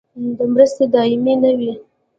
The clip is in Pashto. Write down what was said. مرستې دایمي نه وي